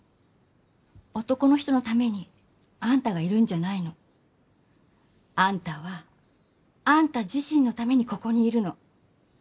男の人のためにあんたがいるんじゃないの。あんたはあんた自身のためにここにいるの。